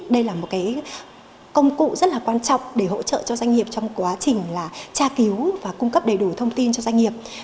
đây là một công cụ rất là quan trọng để hỗ trợ cho doanh nghiệp trong quá trình tra cứu và cung cấp đầy đủ thông tin cho doanh nghiệp